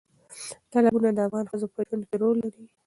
تالابونه د افغان ښځو په ژوند کې رول لري.